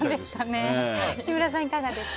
木村さんはいかがですか？